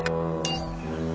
うん。